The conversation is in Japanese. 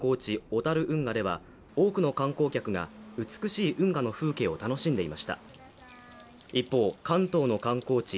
小樽運河では多くの観光客が美しい運河の風景を楽しんでいました一方関東の観光地